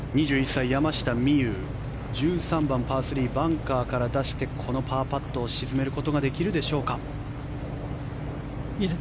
２１歳、山下美夢有１３番、パー３バンカーから出してこのパーパットを沈めることができるでしょうか。